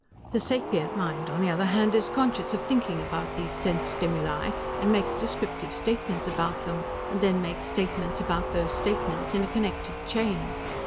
The sapient mind, on the other hand, is conscious of thinking about these sense stimuli, and makes descriptive statements about them, and then makes statements about those statements, in a connected chain.